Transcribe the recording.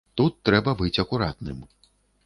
Тут трэба быць акуратным.